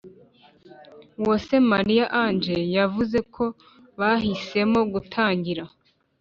Uwase Mariya Ange, yavuze ko bahisemo gutangira